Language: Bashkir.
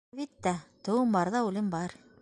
Әлбиттә, тыуым барҙа үлем бар.